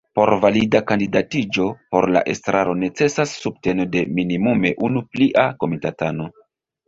Por valida kandidatiĝo por la estraro necesas subteno de minimume unu plia komitatano.